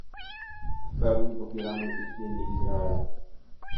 W pełni popieramy istnienie Izraela